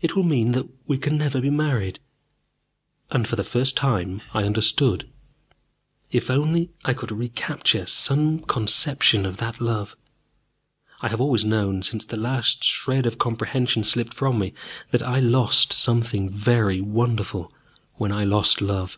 It will mean that we can never be married!" And, for the first time, I understood. If only I could re capture some conception of that love! I have always known, since the last shred of comprehension slipped from me, that I lost something very wonderful when I lost love.